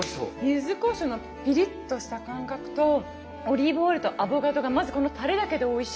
ゆずこしょうのピリッとした感覚とオリーブオイルとアボカドがまずこのたれだけでおいしい。